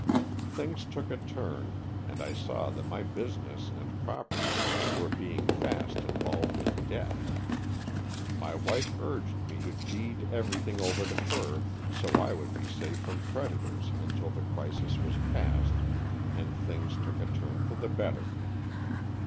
Things took a turn and I saw that my business and property were being fast in 26 Stories from the Adirondacks. volved in debt. My wife urged me to deed everything over to her so I would be safe from creditors until the crisis was past and things took a turn for the better.